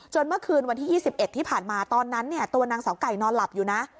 เมื่อคืนวันที่๒๑ที่ผ่านมาตอนนั้นเนี่ยตัวนางสาวไก่นอนหลับอยู่นะ